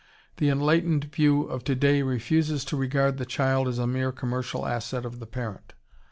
The enlightened view of today refuses to regard the child as a mere commercial asset of the parent.